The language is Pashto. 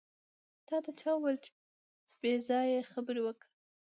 تاته چا وېل چې پې ځایه خبرې وکړه.